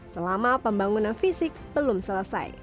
selama pembangunan fisik belum selesai